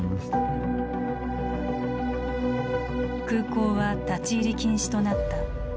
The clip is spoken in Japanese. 空港は立ち入り禁止となった。